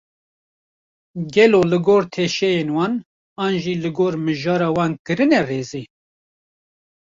Gelo li gor teşeyên wan, an jî li gor mijara wan kirine rêzê?